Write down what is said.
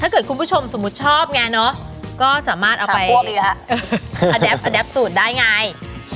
คุณผู้ชมสมมุติชอบไงเนาะก็สามารถเอาไปแป๊บสูตรได้ไง